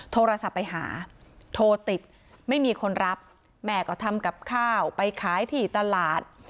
โทรศัพท์ไปหาโทรติดไม่มีคนรับแม่ก็ทำกับข้าวไปขายที่ตลาด